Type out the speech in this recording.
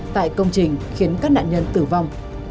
tại công trình khiến các nạn nhân tử vong